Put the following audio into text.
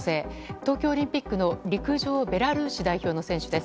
東京オリンピックの陸上ベラルーシ代表の選手です。